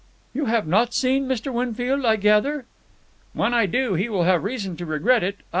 "You have not seen Mr. Winfield, I gather?" "When I do, he will have reason to regret it.